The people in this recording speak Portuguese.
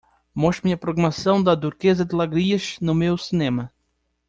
mostre-me a programação da Duquesa de Langeais no meu cinema